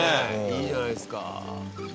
いいじゃないですか。